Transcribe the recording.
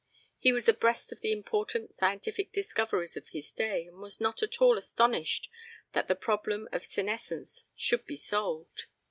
He was abreast of the important scientific discoveries of his day and was not at all astonished that the problem of senescence should be solved.